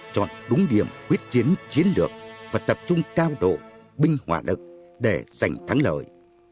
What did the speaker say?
chọn đúng điểm quyết chiến chiến lược và tập trung cao độ binh hỏa lực để giành thắng lợi